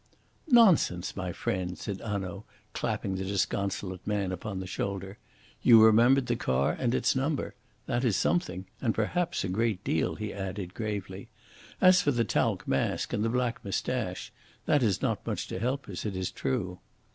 "Nonsense, my friend," said Hanaud, clapping the disconsolate man upon the shoulder. "You remembered the car and its number. That is something and perhaps a great deal," he added gravely. "As for the talc mask and the black moustache, that is not much to help us, it is true."